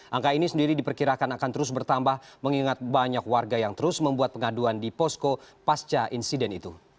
angka ini sendiri diperkirakan akan terus bertambah mengingat banyak warga yang terus membuat pengaduan di posko pasca insiden itu